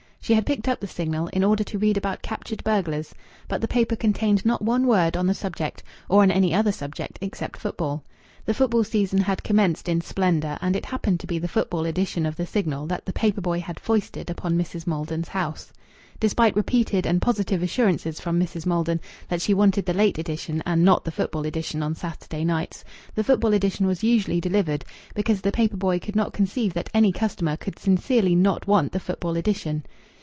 She had picked up the Signal in order to read about captured burglars, but the paper contained not one word on the subject, or on any other subject except football. The football season had commenced in splendour, and it happened to be the football edition of the Signal that the paper boy had foisted upon Mrs. Maldon's house. Despite repeated and positive assurances from Mrs. Maldon that she wanted the late edition and not the football edition on Saturday nights, the football edition was usually delivered, because the paper boy could not conceive that any customer could sincerely not want the football edition.